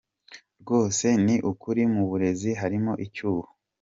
Rwose ni ukuri mu burezi harimo icyuho.